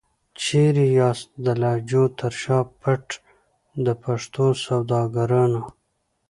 چيري یاست د لهجو تر شا پټ د پښتو سوداګرانو؟